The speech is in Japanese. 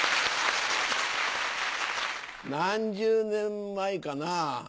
何十年前かな。